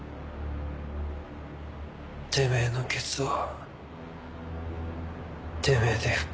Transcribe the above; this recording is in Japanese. てめえのケツはてめえで拭く。